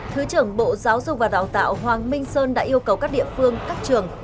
thứ trưởng bộ giáo dục và đào tạo hoàng minh sơn đã yêu cầu các địa phương các trường